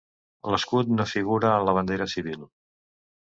L'escut no figura en la bandera civil.